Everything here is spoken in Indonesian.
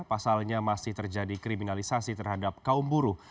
pasalnya masih terjadi kriminalisasi terhadap kaum buruh